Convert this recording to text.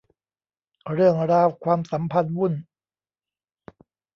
เรื่องราวความสัมพันธ์วุ่น